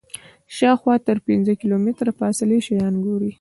شاوخوا تر پنځه کیلومتره فاصلې شیان ګوري.